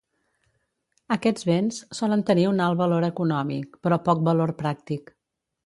Aquests béns solen tenir un alt valor econòmic, però poc valor pràctic.